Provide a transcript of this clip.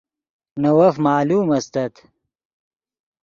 نے وف معلوم استت